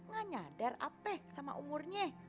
gak nyadar ape sama umurnya